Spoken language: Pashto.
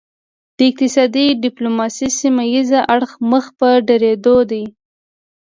د اقتصادي ډیپلوماسي سیمه ایز اړخ مخ په ډیریدو دی